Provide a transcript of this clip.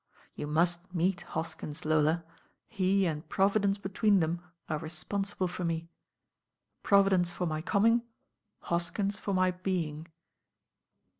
You must meet Hoskins, Lola, he and Providence between them are responsible for me. Providence for my coming, Hoskins for my being.'